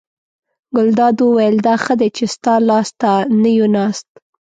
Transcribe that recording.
ګلداد وویل: دا ښه دی چې ستا لاس ته نه یو ناست.